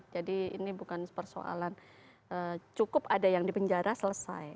jadi ini bukan persoalan cukup ada yang di penjara selesai